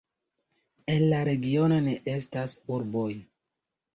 En la regiono ne estas urboj.